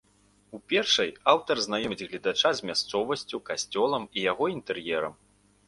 У першай аўтар знаёміць гледача з мясцовасцю, касцёлам і яго інтэр'ерам.